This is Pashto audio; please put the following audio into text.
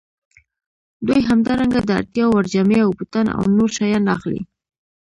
دوی همدارنګه د اړتیا وړ جامې او بوټان او نور شیان اخلي